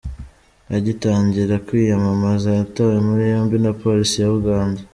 Agitangira kwiyamamaza yatawe muri yombi na Polisi ya Uganda.